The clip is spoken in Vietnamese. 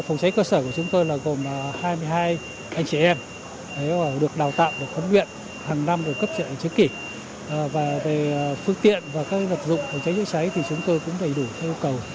phòng cháy cơ sở của chúng tôi gồm hai mươi hai anh chị em được đào tạo được khẩn nguyện hàng năm được cấp trợ chức kỷ và về phương tiện và các lập dụng của cháy chữa cháy thì chúng tôi cũng đầy đủ yêu cầu